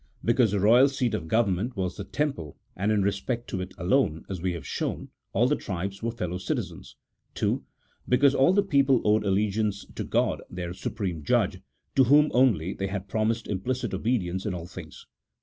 Because the royal seat of government was the Temple, and in respect to it alone, as we have shown, all the tribes were fellow citizens, II. Because all the people owed allegiance to G od, their supreme Judge, to whom only they had promised implicit obedience in all things.